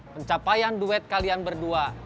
pencapaian duet kalian berdua